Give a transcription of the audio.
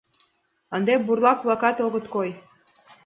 Ынде бурлак-влакат огыт кой.